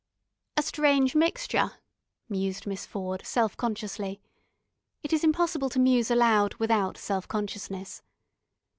"A strange mixture," mused Miss Ford self consciously. It is impossible to muse aloud without self consciousness.